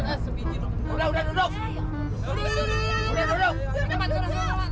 apa lagi sih fir